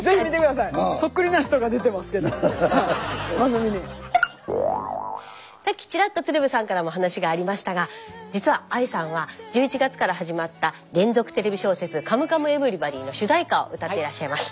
さっきちらっと鶴瓶さんからも話がありましたが実はＡＩさんは１１月から始まった連続テレビ小説「カムカムエヴリバディ」の主題歌を歌ってらっしゃいます。